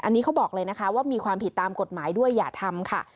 อันนี้เขาบอกเลยนะคะว่ามีความผิดตามกฎหมายด้วยอย่าทำค่ะ